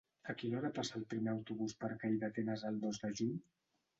A quina hora passa el primer autobús per Calldetenes el dos de juny?